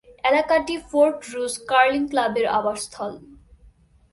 এলাকাটি Fort Rouge curling ক্লাবের আবাসস্থল।